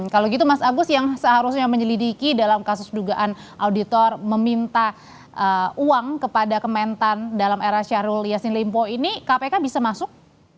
kalau gitu mas agus yang seharusnya menyelidiki dalam kasus dugaan auditor meminta uang kepada kementan dalam era syahrul yassin limpo ini kpk bisa masuk